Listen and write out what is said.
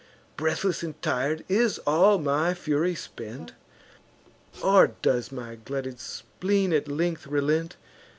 Breathless and tir'd, is all my fury spent? Or does my glutted spleen at length relent?